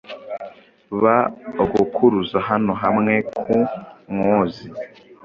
Ba ogokuruza hano hamwe ku Muozi